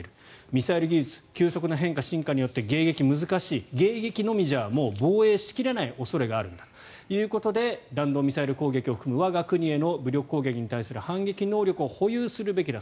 ミサイル技術の急速な変化・進化によって迎撃は難しい迎撃のみではもう防衛しきれない恐れがあるんだということで弾道ミサイル攻撃を含む我が国の武力攻撃に対する反撃能力を保有するべきだ